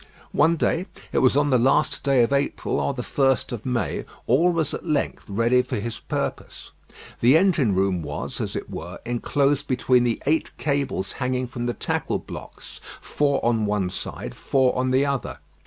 One day it was on the last day of April or the first of May all was at length ready for his purpose. The engine room was, as it were, enclosed between the eight cables hanging from the tackle blocks, four on one side, four on the other.